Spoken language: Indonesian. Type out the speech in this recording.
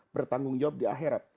bertanggung jawab di akhirat